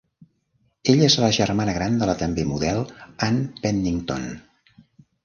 Ella és la germana gran de la també model Ann Pennington.